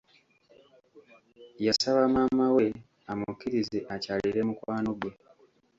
Yasaba maama we amukkirize akyalire mukwano ggwe.